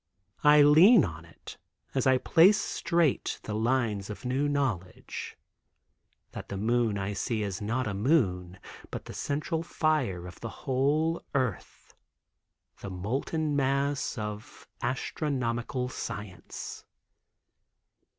I lean on it as I place straight the lines of new knowledge—that the moon I see is not a moon, but the central fire of the whole earth—the molten mass of astronomical science.